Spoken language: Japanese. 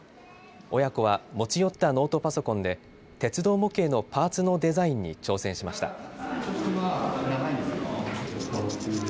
親子は持ち寄ったノートパソコンで鉄道模型のパーツのデザインに挑戦しました。